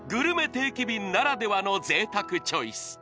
定期便ならではの贅沢チョイス！